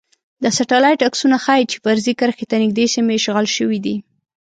د سټلایټ عکسونه ښايی چې فرضي کرښې ته نږدې سیمې اشغال شوي دي